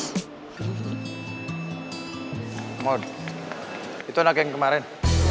mohon itu anak yang kemarin